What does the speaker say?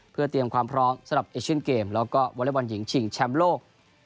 เพื่อเตรียมความพร้อมสำหรับเอเชียนเกมแล้วก็วอเล็กบอลหญิงชิงแชมป์โลก